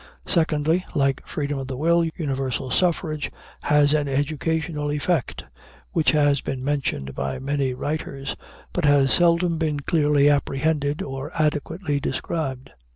Secondly, like freedom of the will, universal suffrage has an educational effect, which has been mentioned by many writers, but has seldom been clearly apprehended or adequately described.